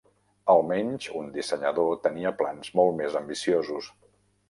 Almenys un dissenyador tenia plans molt més ambiciosos.